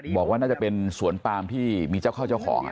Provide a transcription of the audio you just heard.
บอกว่าน่าจะเป็นสวนปามที่มีเจ้าเข้าเจ้าของ